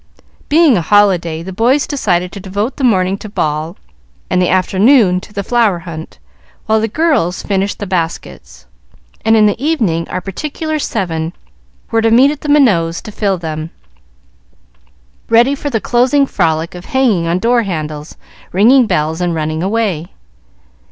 Being a holiday, the boys decided to devote the morning to ball and the afternoon to the flower hunt, while the girls finished the baskets; and in the evening our particular seven were to meet at the Minots to fill them, ready for the closing frolic of hanging on door handles, ringing bells, and running away.